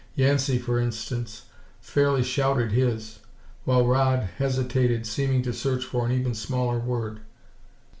Yancey, for instance, fairly shouted his, while Rodd hesitated, seeming to search for an even smaller word.